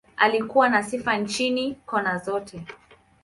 Alikuwa na sifa nchini, kona zote.